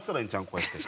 こうやって。